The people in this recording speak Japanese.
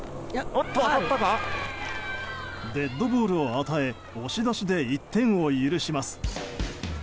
デッドボールを与え押し出しで１点を許します。